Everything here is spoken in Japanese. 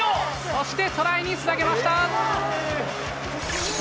そしてトライにつなげました。